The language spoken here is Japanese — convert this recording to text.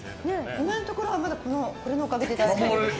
今のところはこれのおかげで大丈夫。